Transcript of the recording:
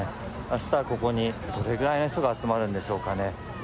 あしたはここに、どれぐらいの人が集まるんでしょうかね。